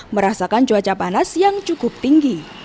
merasakan cuaca panas yang cukup tinggi